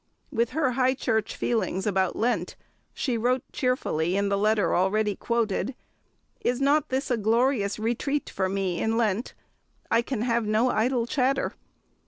With her High Church feelings about Lent, she wrote cheerfully in the letter already quoted, "Is not this a glorious retreat for me in Lent? I can have no idle chatter."